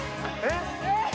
えっ？